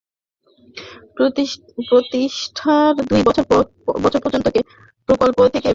প্রতিষ্ঠার দুই বছর পর্যন্ত প্রকল্প থেকে বিদ্যালয় পরিচালনায় সহযোগিতা করা হতো।